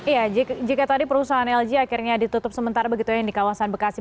iya jika tadi perusahaan lg akhirnya ditutup sementara begitu ya yang di kawasan bekasi